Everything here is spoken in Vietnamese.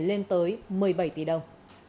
lên tới một mươi bảy tỷ đồng